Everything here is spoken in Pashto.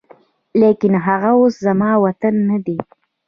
لاکن هغه اوس زما وطن نه دی